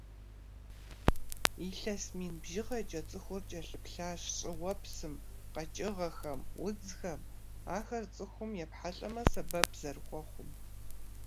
Илъэс мин бжыгъэкӀэ цӀыхур кӀэлъыплъащ щӀыуэпсым, къэкӀыгъэхэм, удзхэм, ахэр цӀыхум епхьэлӀэмэ сэбэп зэрыхуэхъум.